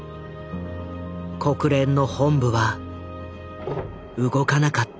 国連の本部は動かなかった。